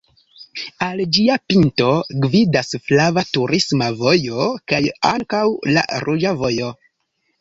Al ĝia pinto gvidas flava turisma vojo kaj ankaŭ la ruĝa vojo.